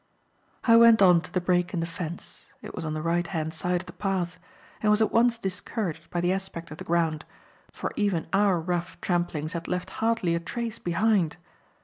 I went on to the break in the fence it was on the right hand side of the path and was at once discouraged by the aspect of the ground; for even our rough tramplings had left hardly a trace behind.